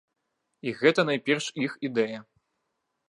І гэта найперш іх ідэя.